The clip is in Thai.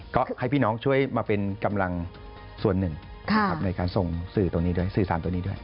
ก็ให้พี่น้องช่วยมาเป็นกำลังส่วนหนึ่งในการส่งสื่อตัวนี้ด้วยสื่อสารตัวนี้ด้วย